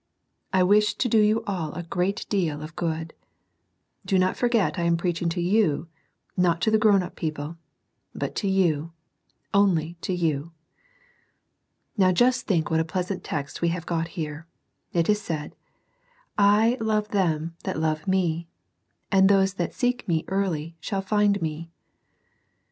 I wish to do you all a great deal of good. Do not forget I am preaching to you, — ^not to the grown up people, — ^but to you, only to you. Now just think what a pleasant text we have got here : it is said,—" I love them that love Me; and those that seek Me early shall find Me."